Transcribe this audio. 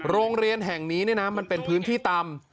โรงเรียนแห่งนี้มันเป็นพื้นที่ต่ำ